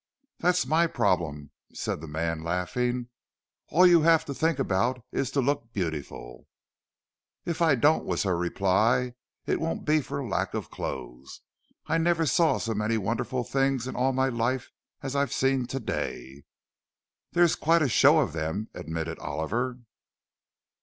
"That's my problem," said the man, laughing. "All you have to think about is to look beautiful." "If I don't," was her reply, "it won't be for lack of clothes. I never saw so many wonderful things in all my life as I've seen to day." "There's quite a show of them," admitted Oliver.